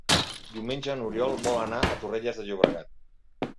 Diumenge n'Oriol vol anar a Torrelles de Llobregat.